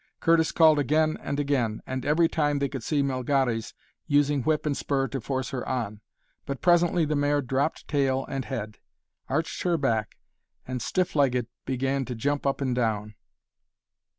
Curtis called again and again, and every time they could see Melgares using whip and spur to force her on. But presently the mare dropped tail and head, arched her back, and, stiff legged, began to jump up and down.